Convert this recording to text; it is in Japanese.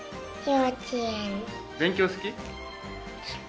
勉強好き？